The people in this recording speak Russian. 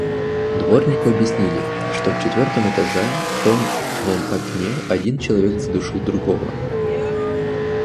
Дворнику объяснили, что в четвертом этаже, в том вон окне, один человек задушил другого.